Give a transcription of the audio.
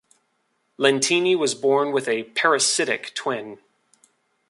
Lentini was born with a parasitic twin.